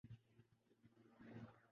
اس صورتحال میں تبدیلی ضرور آئی ہے۔